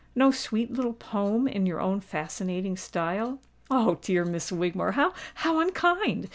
—no sweet little poem in your own fascinating style?" "Oh! dear Miss Wigmore, how unkind!"